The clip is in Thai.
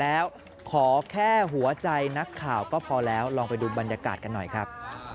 แล้วขอแค่หัวใจนักข่าวก็พอแล้วลองไปดูบรรยากาศกันหน่อยครับ